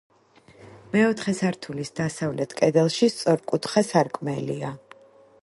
მეოთხე სართულის დასავლეთ კედელში სწორკუთხა სარკმელია.